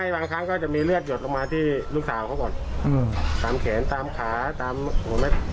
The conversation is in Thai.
วันนั้นก็เกิดเครื่องไหม้เลย